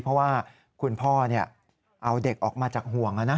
เพราะว่าคุณพ่อเอาเด็กออกมาจากห่วง